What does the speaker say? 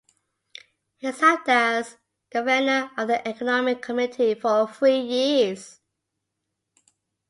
He served as Convener of the Economy Committee for three years.